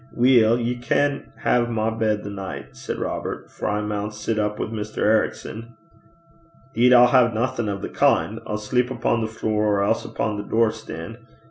'Weel, ye can hae my bed the nicht,' said Robert, 'for I maun sit up wi' Mr. Ericson.' ''Deed I'll hae naething o' the kin'. I'll sleep upo' the flure, or else upo' the door stane.